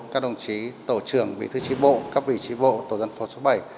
các đồng chí tổ trưởng vị thư trí bộ các vị trí bộ tổ dân phố số bảy